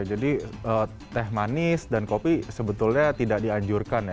jadi teh manis dan kopi sebetulnya tidak dianjurkan ya